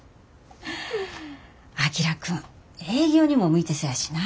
章君営業にも向いてそうやしな。